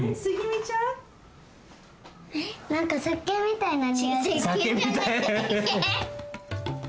なんかせっけんみたいなにおいする。